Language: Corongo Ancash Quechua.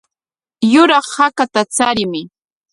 Yuraq hakata charimuy.